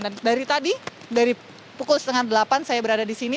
dan dari tadi dari pukul setengah delapan saya berada di sini